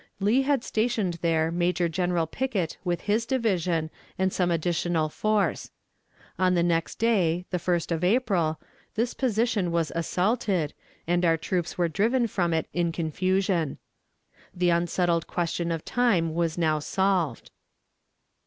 Lee had stationed there Major General Pickett with his division, and some additional force. On the next day, the 1st of April, this position was assaulted, and our troops were driven from it in confusion. The unsettled question of time was now solved.